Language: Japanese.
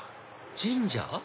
神社？